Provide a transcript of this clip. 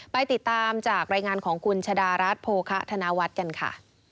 ไปติดตามจากรายงานของขุนชะดารสโภคะธนาวัสก่อนค่ะ